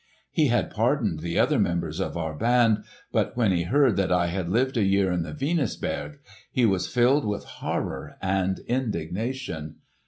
He had pardoned the other members of our band; but when he heard that I had lived a year in the Venusberg he was filled with horror and indignation.